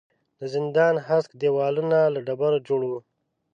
د زندان هسک دېوالونه له ډبرو جوړ وو.